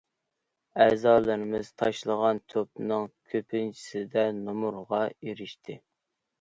ئەزالىرىمىز تاشلىغان توپىنىڭ كۆپىنچىسىدە نومۇرغا ئېرىشتى.